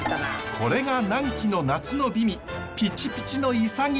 これが南紀の夏の美味ピチピチのイサギ。